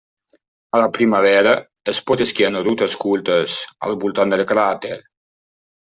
A la primavera es pot esquiar en rutes curtes al voltant del cràter.